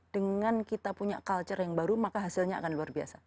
dengan kita punya culture yang baru maka hasilnya akan luar biasa